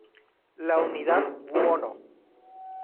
La unidad Buono!